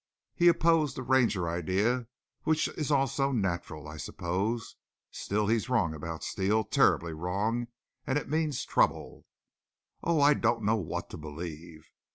He opposed the Ranger idea, which is also natural, I suppose. Still, he's wrong about Steele, terribly wrong, and it means trouble." "Oh, I don't know what to believe!"